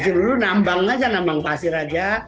dulu nambang aja nambang pasir aja